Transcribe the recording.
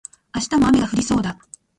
明日も雨が降りそうだ